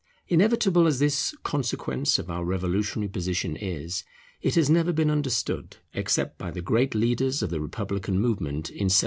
Inevitable as this consequence of our revolutionary position is, it has never been understood, except by the great leaders of the republican movement in 1793.